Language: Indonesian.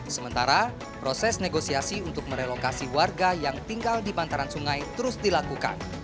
sementara proses negosiasi untuk merelokasi warga yang tinggal di bantaran sungai terus dilakukan